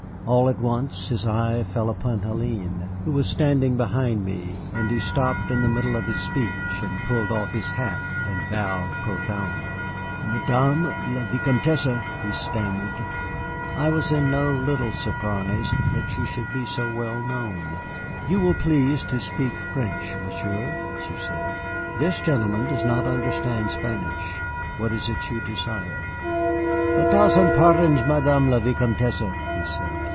All at once his eye fell upon Hélène, who was standing behind me, and he stopped in the middle of his speech and pulled off his hat and bowed profoundly. "Madame la Vicomtesse!" he stammered. I was no little surprised that she should be so well known. "You will please to speak French, Monsieur," she said; "this gentleman does not understand Spanish. What is it you desire?" "A thousand pardons, Madame la Vicomtesse," he said.